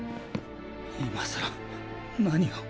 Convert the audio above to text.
今更何を。